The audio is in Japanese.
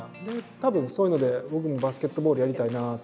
たぶんそういうので僕もバスケットボール私も。